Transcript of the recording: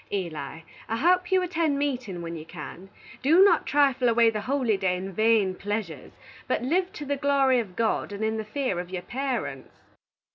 Eli, I hope you attend meatin when you can. Do not trifle away the holy day in vane pleasures, but live to the glory of God, and in the fear of your parents.